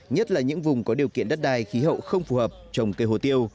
nhất là những vùng có điều kiện đất đai khí hậu không phù hợp trồng cây hồ tiêu